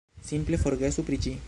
Simple forgesu pri ĝi!